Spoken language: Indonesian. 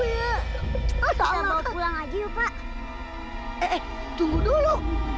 udah mau pulang aja pak eh tunggu dulu